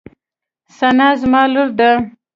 ثنا زما لور ده.